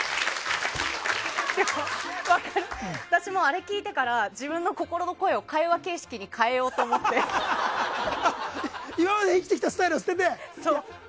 私もあれ聞いてから自分の心の声を会話形式に今まで生きてきたスタイルを捨ててね。